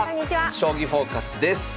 「将棋フォーカス」です。